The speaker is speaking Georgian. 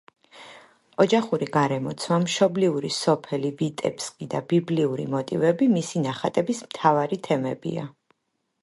ოჯახური გარემოცვა, მშობლიური სოფელი ვიტებსკი და ბიბლიური მოტივები მისი ნახატების მთავარი თემებია.